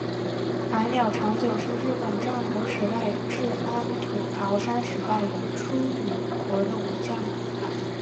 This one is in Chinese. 白鸟长久是日本战国时代至安土桃山时代于出羽国的武将。